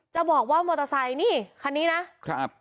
จะบอกว่ามอเตอร์ไซค์นี่คันนี้นะครับ